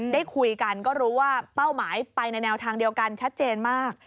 ได้คุยกันก็รู้ว่าเป้าหมายไปในแนวทางเดียวกันชัดเจนมาก